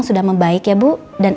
sudah membaik ya bu dan